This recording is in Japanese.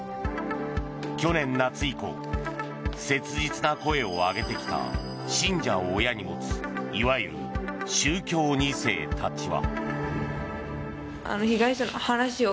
去年夏以降切実な声を上げてきた信者を親に持ついわゆる宗教２世たちは。